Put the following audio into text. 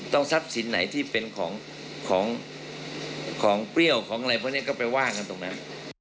ต้องซับสินไหนที่เป็นของนี้ก็ไปว่ากันถึงนั้น